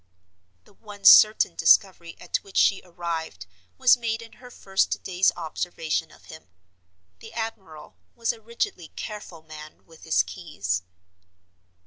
The one certain discovery at which she arrived was made in her first day's observation of him. The admiral was a rigidly careful man with his keys.